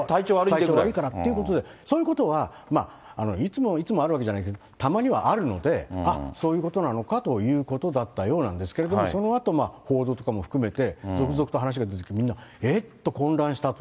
体調悪いということで、そういうことはいつもいつもあるわけじゃないけど、たまにはあるので、あっ、そういうことなのかということだったようなんですけれども、そのあと報道とかも含めて、続々と話が出てきて、みんな、えっ？